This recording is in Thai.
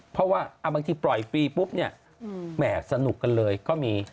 เพราะว่าบางทีปล่อยฟรีปุ๊บเนี่ยแหม่สนุกกันเลยก็มี